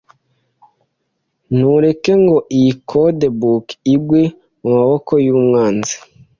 Ntureke ngo iyi codebook igwe mumaboko yumwanzi.